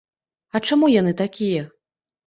А чаму яны такія?